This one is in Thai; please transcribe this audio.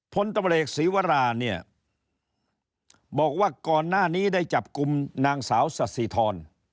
พลตำรวจเอกศีวราเนี่ยบอกว่าก่อนหน้านี้ได้จับกลุ่มนางสาวสสิทร